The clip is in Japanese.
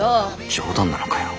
冗談なのかよ